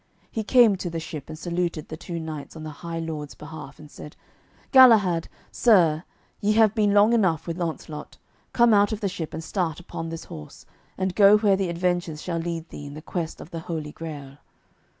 He came to the ship and saluted the two knights on the high Lord's behalf, and said, "Galahad, sir, ye have been long enough with Launcelot. Come out of the ship, and start upon this horse, and go where the adventures shall lead thee in the quest of the Holy Grail."